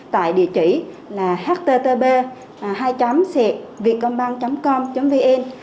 tại địa chỉ http vietcombanh com vn